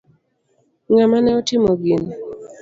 Ng'ama ne otimo gini?